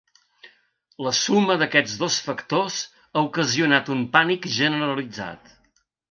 La suma d’aquests dos factors ha ocasionat un pànic generalitzat.